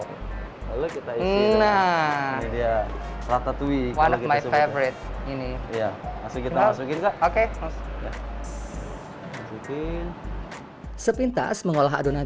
kita isi nah dia ratatouille ini ya masuk kita masukin kak oke masukin sepintas mengolah adonan